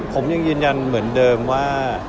ผมยังยืนยันเหมือนเดิมว่า